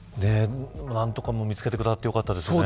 見つけてくださってよかったですね。